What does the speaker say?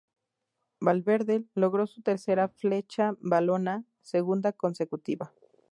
Valverde logró su tercera Flecha Valona, segunda consecutiva.